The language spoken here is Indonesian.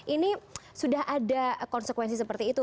ini sudah ada konsekuensi seperti itu